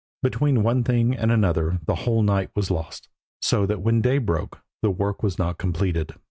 Between one thing and another the whole night was lost, so that when day broke the work was not completed.